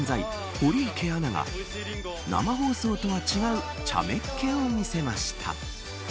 堀池アナが生放送とは違うちゃめっ気を見せました。